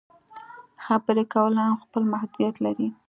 خبرې کول هم خپل محدودیت لري.